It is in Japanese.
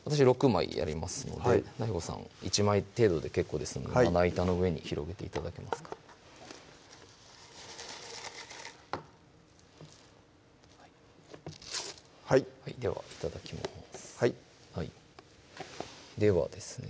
６枚やりますのでＤＡＩＧＯさん１枚程度で結構ですのでまな板の上に広げて頂けますかはいでは頂きますではですね